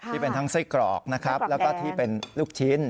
ที่เป็นทั้งไส้กรอกนะครับแล้วก็ที่เป็นลูกชิ้น